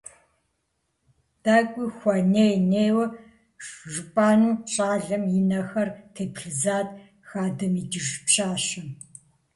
ТӀэкӀуи хуэней-нейуэ жыпӀэну щӏалэм и нэхэр теплъызат хадэм икӀыж пщащэм.